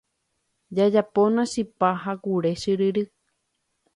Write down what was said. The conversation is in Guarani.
Jajapóna chipa ha kure chyryry.